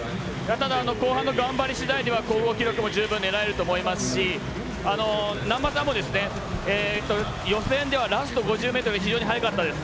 後半の頑張り次第では高校記録も狙えると思いますし難波さんも予選ではラスト５０ｍ非常に早かったです。